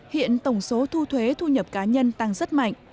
hiện tổng số thu thuế thu nhập cá nhân tăng rất mạnh